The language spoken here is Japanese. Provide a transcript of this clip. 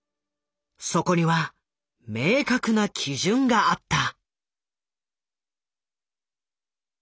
そこには明確な基準があった。